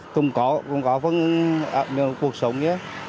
không có không có phần cuộc sống nhé